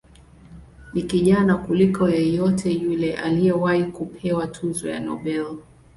Ni kijana kuliko yeyote yule aliyewahi kupewa tuzo ya Nobel.